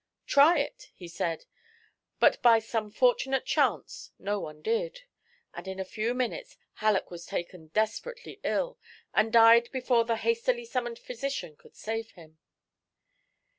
"Try it," he said, but by some fortunate chance no one did. And in a few minutes Halleck was taken desperately ill, and died before the hastily summoned physician could save him.